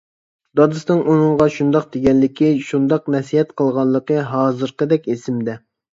دادىسىنىڭ ئۇنىڭغا شۇنداق دېگەنلىكى، شۇنداق نەسىھەت قىلغانلىقى ھازىرقىدەك ئېسىدە.